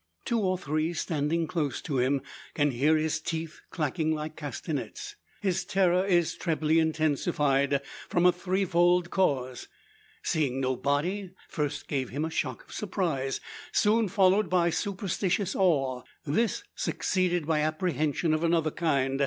Two or three, standing close to him, can hear his teeth clacking like castanets! His terror is trebly intensified from a threefold cause. Seeing no body first gave him a shock of surprise; soon followed by superstitious awe; this succeeded by apprehension of another kind.